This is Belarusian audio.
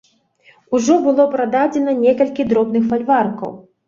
Ужо было прададзена некалькі дробных фальваркаў.